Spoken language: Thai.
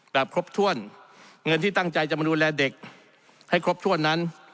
แบบครบถ้วนเงินที่ตั้งใจจะมาดูแลเด็กให้ครบถ้วนนั้น